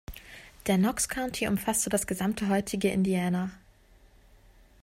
Der Knox County umfasste das gesamte heutige Indiana.